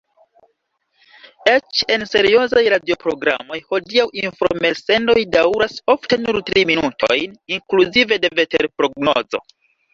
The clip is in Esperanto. Eĉ en seriozaj radioprogramoj hodiaŭ informelsendoj daŭras ofte nur tri minutojn, inkluzive de veterprognozo.